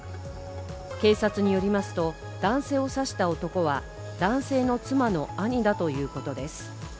警察によりますと、男性を刺した男は男性の妻の兄だということです。